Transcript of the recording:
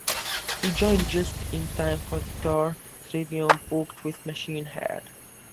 He joined just in time for the tour Trivium booked with Machine Head.